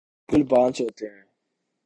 بالکل پانچ ہوتے ہیں